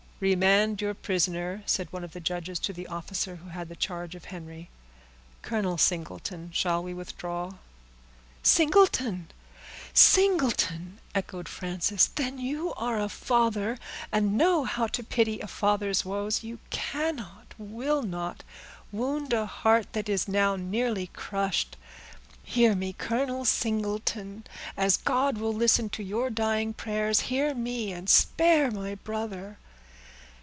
"Remand your prisoner," said one of the judges to the officer who had the charge of Henry. "Colonel Singleton, shall we withdraw?" "Singleton! Singleton!" echoed Frances. "Then you are a father, and know how to pity a father's woes; you cannot, will not, wound a heart that is now nearly crushed. Hear me, Colonel Singleton; as God will listen to your dying prayers, hear me, and spare my brother!"